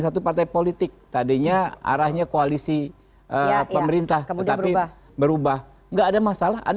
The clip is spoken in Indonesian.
satu partai politik tadinya arahnya koalisi pemerintah tetapi berubah nggak ada masalah ada